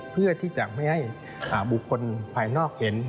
เพื่อที่จะไม่ให้บุคคลภายนอกเห็น